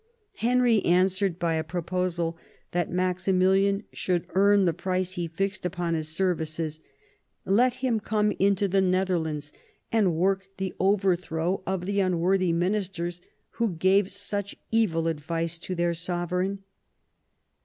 Henry an swered by a proposal that Maximilian should earn the price he fixed upon his services : let him come into the Netherlands, and work the overthrow of the unworthy ministers who gave such evil advice to their sovereign.